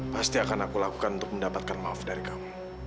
pasti akan aku lakukan untuk mendapatkan maaf dari kamu